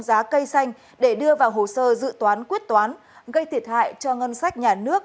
giá cây xanh để đưa vào hồ sơ dự toán quyết toán gây thiệt hại cho ngân sách nhà nước